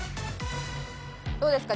どうですか？